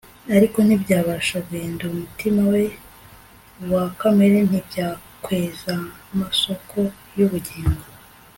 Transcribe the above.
ariko ntibyabasha guhindurumutima we wa kamere Ntibyakwezamasoko yubugingo